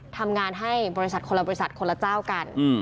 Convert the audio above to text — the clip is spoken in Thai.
ทำงานให้บริษัทคนละบริษัทคนละเจ้ากัน